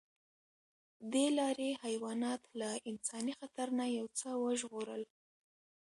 دې لارې حیوانات له انساني خطر نه یو څه وژغورل.